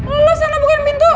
ih lo sana bukan pintu